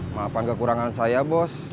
maafkan kekurangan saya bos